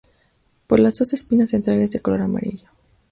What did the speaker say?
Por las dos espinas centrales de color amarillo.